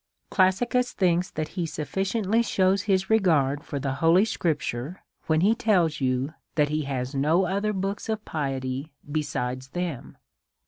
Classicus thinks that he sufficiently shews his regard for the holy scriptures, when he tells you that he has no other book of piety besides them.